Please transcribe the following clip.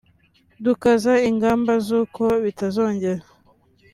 dukaza ingamba z’uko bitazongera